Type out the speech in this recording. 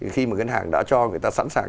khi mà ngân hàng đã cho người ta sẵn sàng